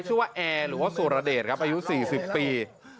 ชื่อว่าแอร์หรือว่าสุรเดชครับอายุ๔๐ปี